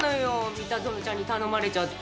三田園ちゃんに頼まれちゃって。